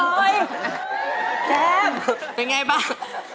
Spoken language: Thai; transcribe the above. แก้มเป็นอย่างไรบ้าง